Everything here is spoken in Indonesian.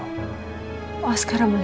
oh askara belum